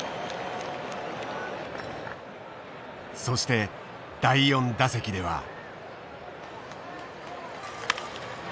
そして第４打席では。